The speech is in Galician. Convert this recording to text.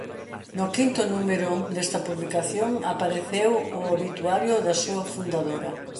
No quinto número desta publicación apareceu o obituario da súa fundadora.